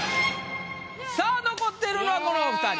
さあ残っているのはこのお二人。